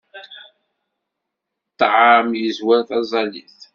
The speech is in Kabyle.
Ṭṭɛam yezwar taẓẓalit.